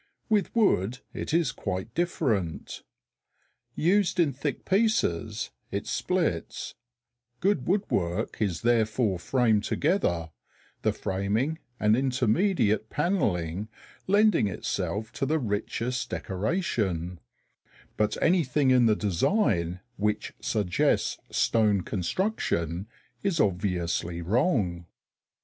With wood it is quite different. Used in thick pieces it splits; good wood work is therefore framed together, the framing and intermediate panelling lending itself to the richest decoration; but anything in the design which suggests stone construction is obviously wrong.